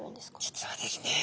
実はですね